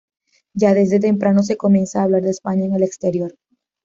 Ya desde temprano se comienza a hablar de España en el exterior.